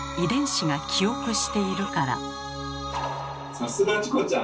さすがチコちゃん。